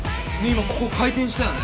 今ここ回転したよね？